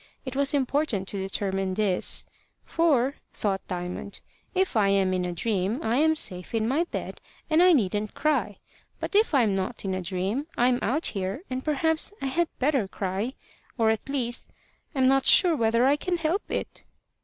It was important to determine this; "for," thought Diamond, "if I am in a dream, I am safe in my bed, and I needn't cry. But if I'm not in a dream, I'm out here, and perhaps I had better cry, or, at least, I'm not sure whether I can help it."